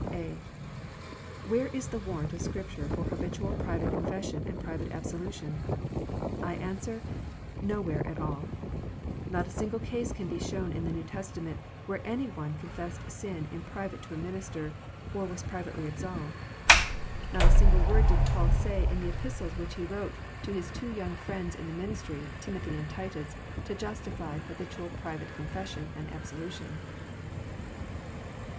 (a) Where is the warrant of Scripture for habitual private confession and private absolution ? I answer, Nowhere at all. Not a single case can be shown in the New Testament where any one confessed sin in private to a minister, or was privately absolved. Not a single word did Paul say in the Epistles 258 KNOTS UNTIED. which he wrote to his two young friends in the ministry, Timothy and Titus, to justify habitual private confession and absolution.